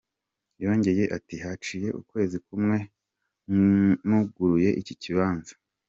Yongeye ati: "Haciye ukwezi kumwe nuguruye iki kibanza.